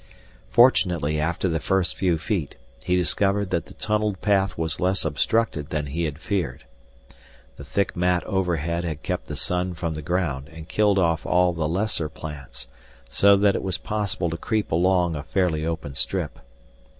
Fortunately, after the first few feet, he discovered that the tunneled path was less obstructed than he had feared. The thick mat overhead had kept the sun from the ground and killed off all the lesser plants so that it was possible to creep along a fairly open strip.